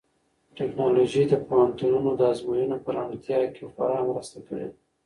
ټیکنالوژي د پوهنتونونو د ازموینو په روڼتیا کې خورا مرسته کړې ده.